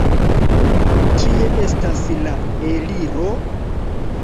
Kie estas la eliro?